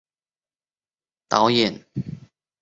该电视剧的总导演为成浩。